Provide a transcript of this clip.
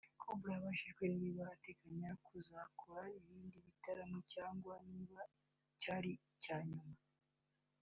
Cobra yabajijwe niba ateganya kuzakora ibindi bitaramo cyangwa niba cyari icya nyuma